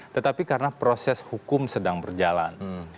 tetapi karena proses hukum sedang berjalan